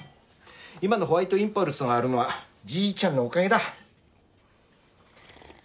今のホワイトインパルスがあるのはじいちゃんのおかげだ。